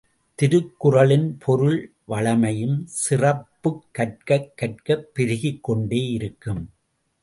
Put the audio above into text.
திருக்குறளின் பொருள் வளமையும் சிறப்பும் கற்கக் கற்கப் பெருகிக் கொண்டே இருக்கும்.